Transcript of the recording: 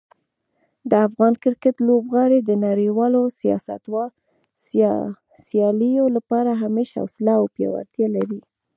د افغان کرکټ لوبغاړي د نړیوالو سیالیو لپاره همیش حوصله او پیاوړتیا لري.